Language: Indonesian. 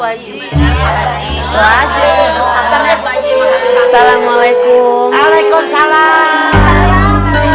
bismillahirrahmannimalamalaikum alaikum salam